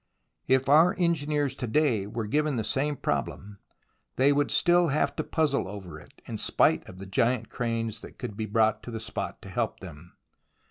If our engineers to day were given the same problem, they would still have to puzzle over it, in spite of the giant cranes that could be brought to the spot to help them.